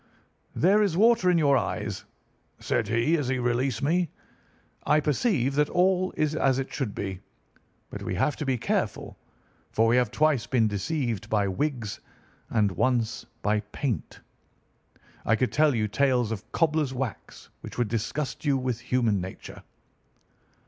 'There is water in your eyes,' said he as he released me. 'I perceive that all is as it should be. But we have to be careful, for we have twice been deceived by wigs and once by paint. I could tell you tales of cobbler's wax which would disgust you with human nature.